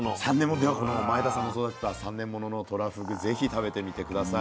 ではこの前田さんの育てた３年もののとらふぐぜひ食べてみて下さい。